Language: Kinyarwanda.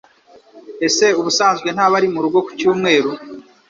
Ise ubusanzwe ntaba ari murugo ku cyumweru.